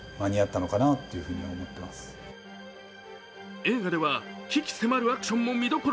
映画では鬼気迫るアクションも見どころ。